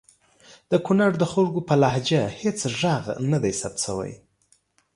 د کنړ د خلګو په لهجو هیڅ ږغ ندی ثبت سوی!